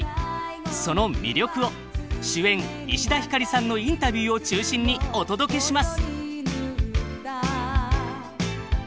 その魅力を主演石田ひかりさんのインタビューを中心にお届けします！